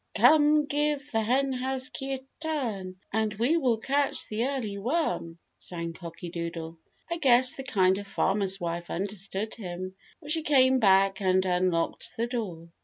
Come, give the Henhouse key a turn And we will catch the early worm," sang Cocky Doodle. I guess the Kind Farmer's wife understood him, for she came back and unlocked the door.